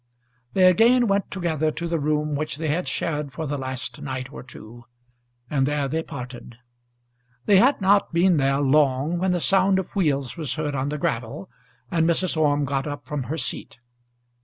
They again went together to the room which they had shared for the last night or two, and there they parted. They had not been there long when the sound of wheels was heard on the gravel, and Mrs. Orme got up from her seat.